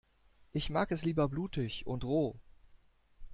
Ich mag es lieber blutig und roh.